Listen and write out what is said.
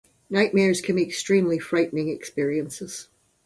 Nightmares can be extremely frightening experiences.